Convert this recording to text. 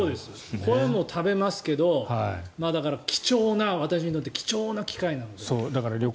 これは食べますけどだから私にとって貴重な機会なんです。